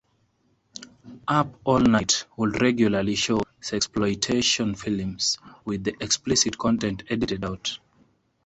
"Up All Night" would regularly show sexploitation films, with the explicit content edited out.